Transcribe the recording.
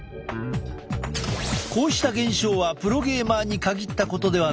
こうした現象はプロゲーマーに限ったことではない。